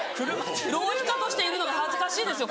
浪費家としているのが恥ずかしいですよ。